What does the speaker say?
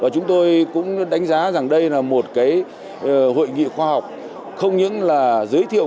chúng tôi cũng đánh giá rằng đây là một hội nghị khoa học không những là giới thiệu